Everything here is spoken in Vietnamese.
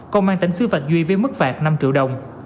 còn mang tính xứ phạm duy với mức phạt năm triệu đồng